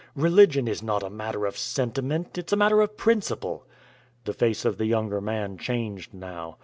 Religion is not a matter of sentiment; it's a matter of principle." The face of the younger man changed now.